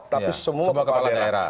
tapi semua kepala daerah